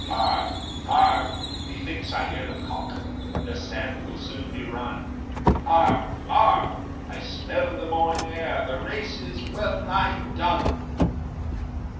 "Barb! barb! methinks I hear the cock; The sand will soon be run; Barb! barb! I smell the morning air; The race is well nigh done."